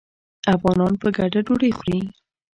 افغانان په ګډه ډوډۍ خوري.